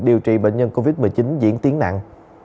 điều trị bệnh nhân covid một mươi chín diễn tiến nặng